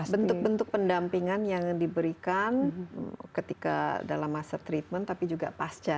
bentuk bentuk pendampingan yang diberikan ketika dalam masa treatment tapi juga pasca